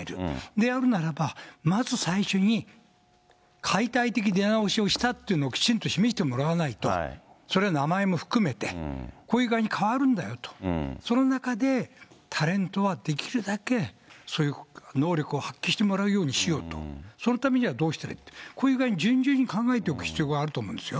であるならば、まず最初に解体的出直しをしたっていうのをきちんと示してもらわないと、それは名前も含めて、こういう具合に変わるんだよと、その中でタレントはできるだけそういう能力を発揮してもらうようにしようと、そのためにはどうしたらいいって、こういう具合に順々に考えておく必要があると思いますよ。